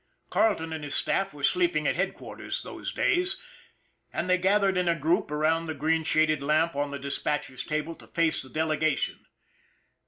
Carleton and his staff were sleeping at headquarters those days, and they gathered in a group around the green shaded lamp on the dispatcher's table to face the delegation.